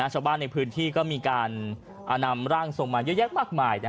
ชาวบ้านในพื้นที่ก็มีการนำร่างทรงมาเยอะแยะมากมาย